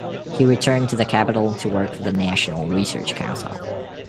He returned to the capital to work for the National Research Council.